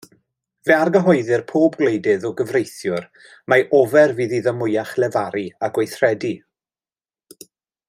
Fe argyhoeddir pob gwleidydd o gyfreithiwr mai ofer fydd iddo mwyach lefaru a gweithredu.